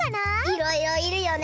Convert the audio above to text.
いろいろいるよね。